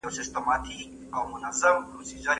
ستونزې د کار څخه جلا وساتئ.